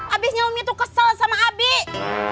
abisnya umi tuh kesel sama abik